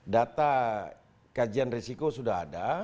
data kajian risiko sudah ada